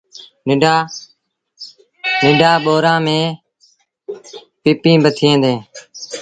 ننڍآن ٻوڙآن ميݩ پپيٚن با ٿئيٚݩ ديٚݩ۔